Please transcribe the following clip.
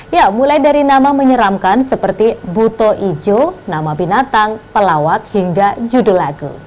ya mulai dari nama menyeramkan seperti buto ijo nama binatang pelawak hingga judul lagu